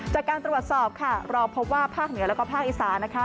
จากการตรวจสอบค่ะเราพบว่าภาคเหนือแล้วก็ภาคอีสานนะคะ